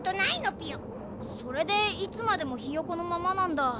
それでいつまでもひよこのままなんだ。